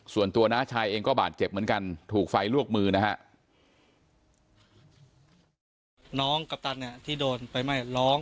น้าชายเองก็บาดเจ็บเหมือนกันถูกไฟลวกมือนะฮะ